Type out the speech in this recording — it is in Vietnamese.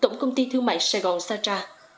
tổng công ty thương mại saigon sartra